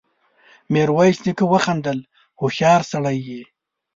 ميرويس نيکه وخندل: هوښيار سړی يې!